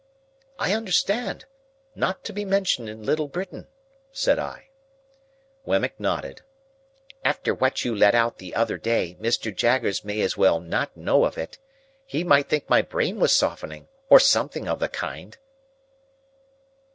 "I understand. Not to be mentioned in Little Britain," said I. Wemmick nodded. "After what you let out the other day, Mr. Jaggers may as well not know of it. He might think my brain was softening, or something of the kind."